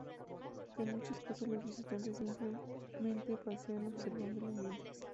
En muchos casos los visitantes simplemente pasean observando el ambiente.